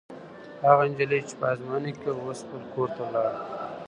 هغه نجلۍ چې په ازموینه کې وه، اوس خپل کور ته لاړه.